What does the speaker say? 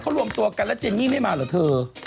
รวมตัวกันแล้วเจนนี่ไม่มาเหรอเธอ